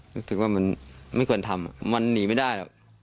รู้สึกว่ามันไม่ควรทำมันหนีไม่ได้หรอก